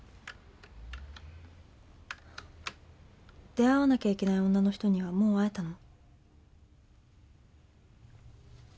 出会わなきゃいけない女の人にはもう会えたの？